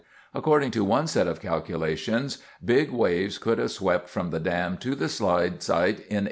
According to one set of calculations, big waves could have swept from the dam to the slide site in 18 minutes or so.